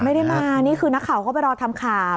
ไม่ได้มานี่คือนักข่าวเข้าไปรอทำข่าว